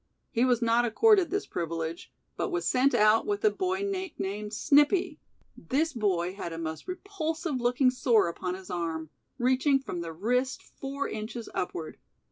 He was not accorded this privilege, but was sent out with a boy nicknamed "Snippy". This boy had a most repulsive looking sore upon his arm, reaching from the wrist four inches upward.